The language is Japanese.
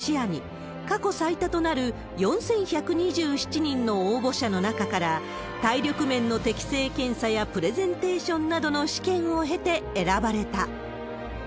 ２人は、将来の月探査活動を視野に、過去最多となる４１２７人の応募者の中から、体力面の適性検査やプレゼンテーションなどの試験を経て選ばれた。